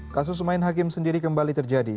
kasus main hakim sendiri kembali terjadi